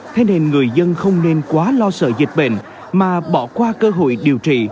thế nên người dân không nên quá lo sợ dịch bệnh mà bỏ qua cơ hội điều trị